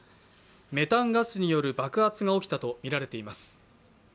メタンガスによる爆発が起きたとみられています。